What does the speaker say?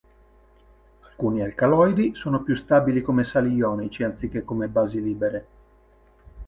Alcuni alcaloidi sono più stabili come sali ionici anziché come basi libere.